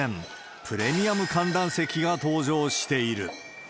プレミアム観覧席が登場している。